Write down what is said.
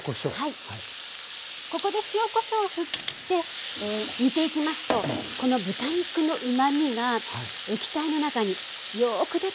ここで塩・こしょうをふって煮ていきますとこの豚肉のうまみが液体の中によく出てとてもおいしくなるんです。